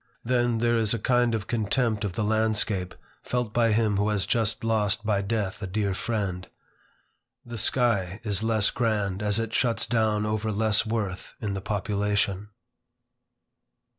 Then, there is a kind of contempt of the landscape felt by him who has just lost by death a dear friend. The sky is less grand as it shuts down over less worth in the population.